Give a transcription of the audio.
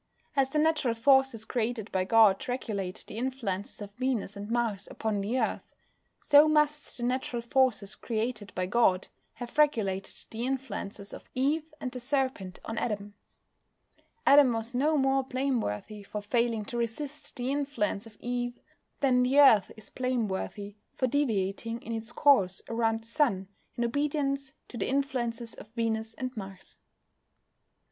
As the natural forces created by God regulate the influences of Venus and Mars upon the Earth, so must the natural forces created by God have regulated the influences of Eve and the Serpent on Adam. Adam was no more blameworthy for failing to resist the influence of Eve than the Earth is blameworthy for deviating in its course around the Sun, in obedience to the influences of Venus and Mars.